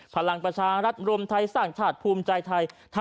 ผลังประชารรถอุรมธรรมไทยสร้างชาติภูมิใจไทย